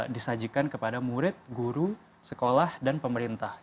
disajikan kepada murid guru sekolah dan pemerintah